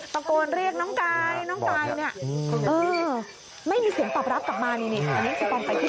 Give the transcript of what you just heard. ประโกนเรียกน้องไก่น้องไก่เนี่ยไม่มีเสียงตอบรับกลับมานิดนึง